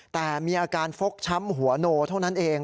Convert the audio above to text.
แต่มีอาการฟกช้ำหัวโนเท่านั้นเอง